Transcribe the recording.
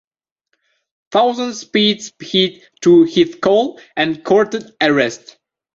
Thousands paid heed to his call and courted arrest.